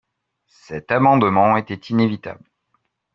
Cet amendement était inévitable.